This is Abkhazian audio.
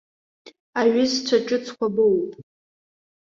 Аҩызцәа ҿыцқәа боуп.